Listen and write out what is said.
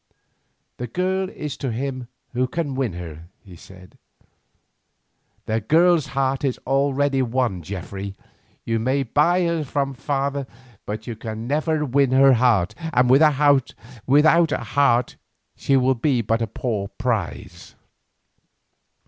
"The girl is to him who can win her," he said. "The girl's heart is won already, Geoffrey. You may buy her from her father but you can never win her heart, and without a heart she will be but a poor prize."